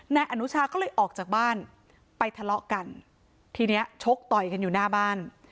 นายอนุชาก็เลยออกจากบ้านไปทะเลาะกันทีเนี้ยชกต่อยกันอยู่หน้าบ้าน